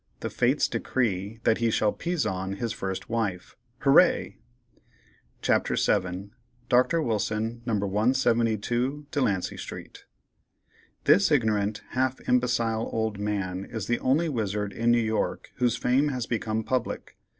The Fates decree that he shall "pizon his first Wife." HOORAY!! CHAPTER VII. DR. WILSON, No. 172 DELANCEY STREET. This ignorant, half imbecile old man is the only wizard in New York whose fame has become public.